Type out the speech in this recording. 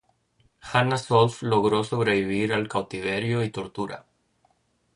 Hanna Solf logró sobrevivir al cautiverio y tortura.